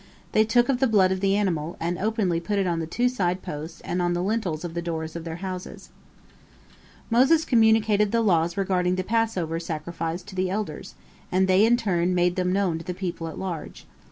They took of the blood of the animal, and openly put it on the two side posts and on the lintel of the doors of their houses. Moses communicated the laws regulating the Passover sacrifice to the elders, and they in turn made them known to the people at large.